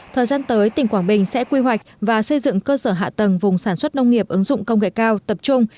thời gian tới tỉnh quảng bình sẽ quy hoạch và xây dựng cơ sở hạ tầng vùng sản xuất nông nghiệp ứng dụng công nghệ cao tập trung